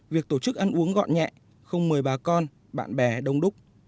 việc tổ chức ăn uống gọn nhẹ không mời bà con bạn bè đông đúc